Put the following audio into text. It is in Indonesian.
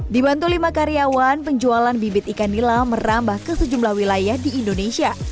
dibantu lima karyawan penjualan bibit ikan nila merambah ke sejumlah wilayah di indonesia